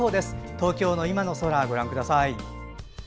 東京の今の空、ご覧ください。